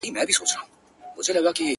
اوس بقا د ژوند په دوو ژبو نغښتې,